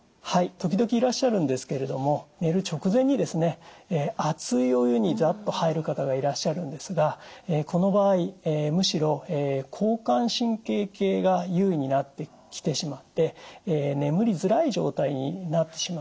時々いらっしゃるんですけれども寝る直前に熱いお湯にザッと入る方がいらっしゃるんですがこの場合むしろ交感神経系が優位になってきてしまって眠りづらい状態になってしまうんですね。